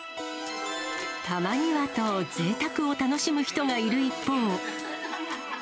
たまにはと、ぜいたくを楽しむ人がいる一方。